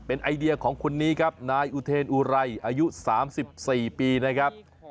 เป็นไอเดียของคนนี้ครับนายอุเทนอุไรอายุ๓๔ปีนะครับ